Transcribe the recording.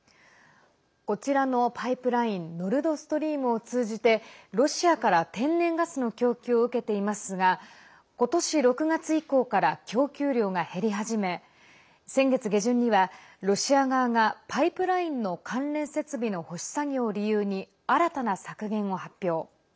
こちらのパイプラインノルドストリームを通じてロシアから天然ガスの供給を受けていますが今年６月以降から供給量が減り始め先月下旬には、ロシア側がパイプラインの関連設備の保守作業を理由に新たな削減を発表。